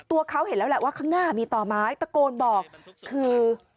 ตัวเขาเห็นแล้วแหละว่าข้างหน้ามีต่อไม้ตะโกนบอกคือ